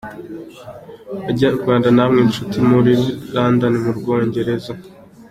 Banyarwanda namwe nshuti muba i London mu Bwongereza,.